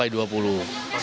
ada yang sepuluh dua puluh